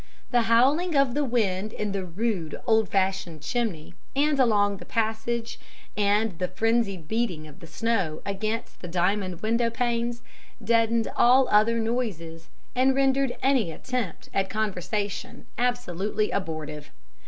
The howling of the wind in the rude, old fashioned chimney and along the passage, and the frenzied beating of the snow against the diamond window panes, deadened all other noises, and rendered any attempt at conversation absolutely abortive.